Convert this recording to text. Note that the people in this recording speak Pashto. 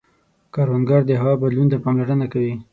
کروندګر د هوا بدلون ته پاملرنه کوي